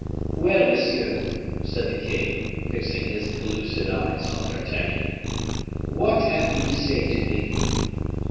"Well, monsieur," said the king, fixing his pellucid eyes on D'Artagnan, "what have you to say to me?"